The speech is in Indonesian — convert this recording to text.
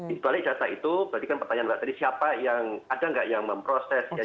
di balik data itu berarti kan pertanyaan dari siapa yang ada nggak yang memproses